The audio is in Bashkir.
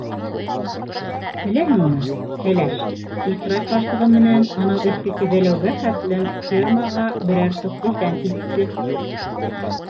Беләһеңме, кәләш, Исрай ҡарсығы менән анау эскесе Вәләүгә хәтлем фермаға берәр тоҡ бесән илтте!